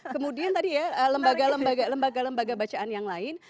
kemudian tadi ya lembaga lembaga bacaan yang lain